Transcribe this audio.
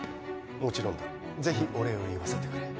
もちろんだ、ぜひお礼を言わせてくれ。